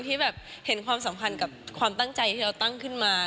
ที่แบบเห็นความสัมพันธ์กับความตั้งใจที่เราตั้งขึ้นมา